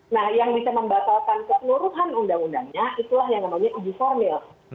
nah yang bisa membatalkan keseluruhan undang undangnya itulah yang namanya uji formil